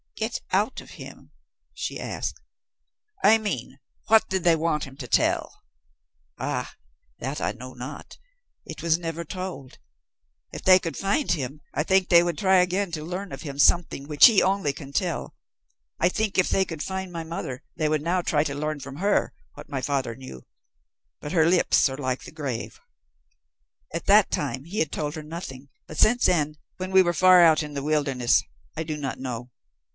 "Get out of him?" she asked. "I mean, what did they want him to tell?" "Ah, that I know not. It was never told. If they could find him, I think they would try again to learn of him something which he only can tell. I think if they could find my mother, they would now try to learn from her what my father knew, but her lips are like the grave. At that time he had told her nothing, but since then when we were far out in the wilderness I do not know.